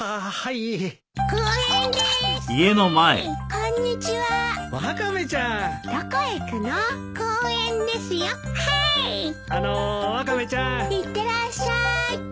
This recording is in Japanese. いってらっしゃい。